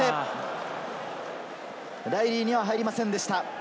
ライリーには入りませんでした。